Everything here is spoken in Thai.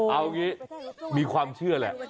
เอางี้มีความเชื่อแหละ